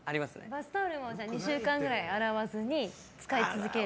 バスタオルも２週間ぐらい洗わずに使い続ける？